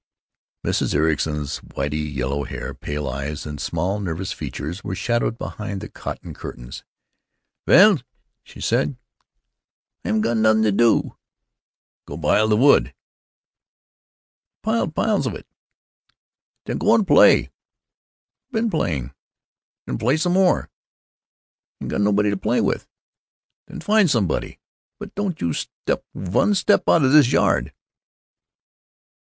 Mrs. Ericson's whitey yellow hair, pale eyes, and small nervous features were shadowed behind the cotton fly screen. "Vell?" she said. "I haven't got noth ing to do o." "Go pile the vood." "I piled piles of it." "Then you can go and play." "I been playing." "Then play some more." "I ain't got nobody to play with." "Then find somebody. But don't you step vun step out of this yard."